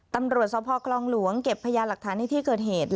ตำรวจซาวป่อกลองหลวงเก็บพญาหลักฐานนิธีเกิดเหตุ